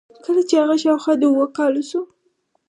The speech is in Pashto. کله چې هغه شاوخوا د اوو کالو شو.